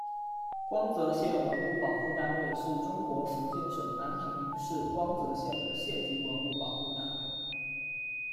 光泽县文物保护单位是中国福建省南平市光泽县的县级文物保护单位。